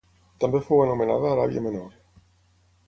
També fou anomenada Aràbia Menor.